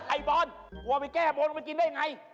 ไอ้ป๊อนหัวไปแก้ผมแล้วไปกินได้อย่างไร